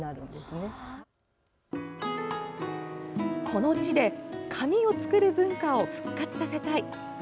この地で紙を作る文化を復活させたい。